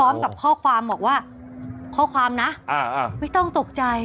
พร้อมกับข้อความบอกว่าข้อความนะไม่ต้องตกใจ